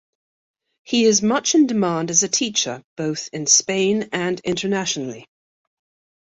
He is much in demand as a teacher, both in Spain and internationally.